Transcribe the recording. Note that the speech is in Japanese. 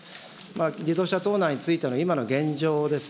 自動車盗難についての今の現状です。